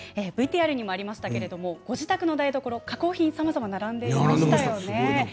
ＶＴＲにもありましたがご自宅の台所、加工品がさまざま並んでいましたよね。